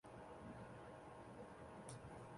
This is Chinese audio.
车站并设有两条轨道。